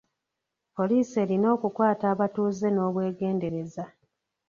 Poliisi erina okukwata abatuuze n'obwegendereza.